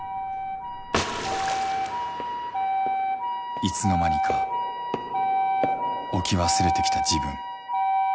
いつの間にか置き忘れてきた自分。